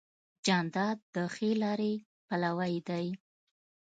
جانداد د ښې لارې پلوی دی.